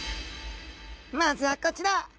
まずはこちら。